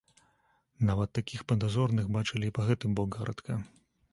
Нават такіх падазроных бачылі і па гэты бок гарадка.